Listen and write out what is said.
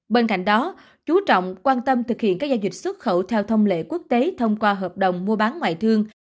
bên cạnh đó chú trọng quan tâm thực hiện các giao dịch xuất khẩu theo thông lệ quốc tế thông qua hợp đồng mua bán ngoại thương